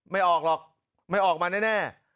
ไม่ออกหรอกไม่ออกมาแน่